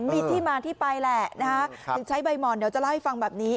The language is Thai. มีที่มาที่ไปแหละนะคะถึงใช้ใบหมอนเดี๋ยวจะเล่าให้ฟังแบบนี้